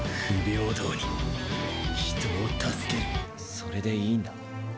それでいいんだ。